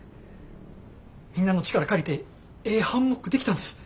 みんなの力借りてええハンモック出来たんです。